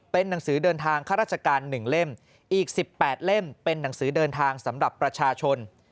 เป็นหนังสือเดินทางข้าราชการ๑เล่มอีก๑๘เล่มเป็นหนังสือเดินทางสำหรับประชาชน